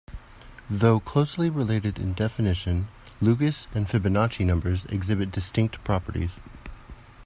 Though closely related in definition, Lucas and Fibonacci numbers exhibit distinct properties.